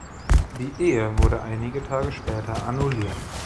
Die Ehe wurde einige Tage später annulliert.